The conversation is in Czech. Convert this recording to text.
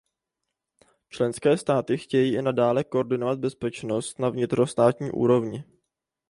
Členské státy chtějí i nadále koordinovat bezpečnost na vnitrostátní úrovni.